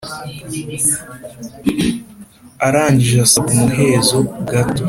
arangije asaba umuhezo gato